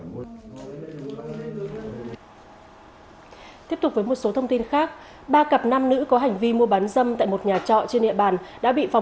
tiếp tục với một số thông tin khác ba cặp nam nữ có hành vi mua bán dâm tại một nhà trọ trên địa bàn